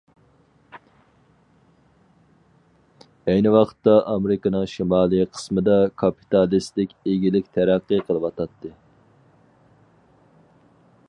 ئەينى ۋاقىتتا ئامېرىكىنىڭ شىمالىي قىسمىدا كاپىتالىستىك ئىگىلىك تەرەققىي قىلىۋاتاتتى.